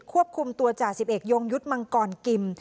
ควบคุมตัวจ่าสิบเอกยงยุทธ์มังกรกิม